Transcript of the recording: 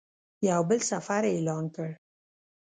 یو بل سفر یې اعلان کړ.